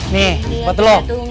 nih buat lo